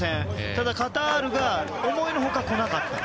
ただ、カタールが思いのほか来なかった。